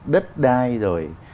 đất đai rồi